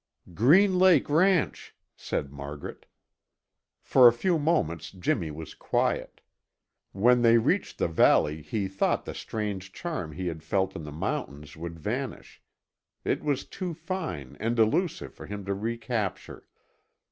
"Green Lake ranch!" said Margaret. For a few moments Jimmy was quiet. When they reached the valley he thought the strange charm he had felt in the mountains would vanish; it was too fine and elusive for him to recapture.